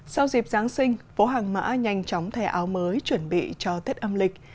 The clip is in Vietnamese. sau dịp giáng sinh phố hàng mã nhanh chóng thay áo mới chuẩn bị cho tết âm lịch